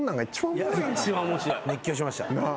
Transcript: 熱狂しました。